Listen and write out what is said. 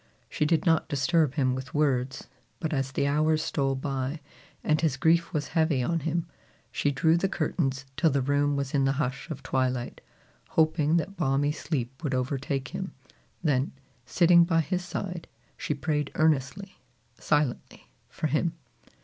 She did not disturb him with words; but as the hours stole by, and his grief was heavy on him, she drew the curtains till the room was in the hush of twilight, hoping that balmy sleep would overtake him; then, sitting by his side, she prayed earnestly, silently, for him.